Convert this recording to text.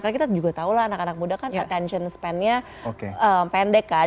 karena kita juga tau lah anak anak muda kan attention span nya pendek kan